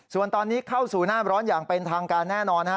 ส่วนตอนนี้เข้าสู่หน้าร้อนอย่างเป็นทางการแน่นอน